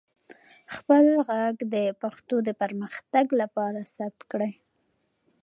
خپل ږغ د پښتو د پرمختګ لپاره ثبت کړئ.